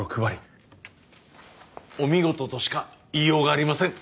お見事としか言いようがありません。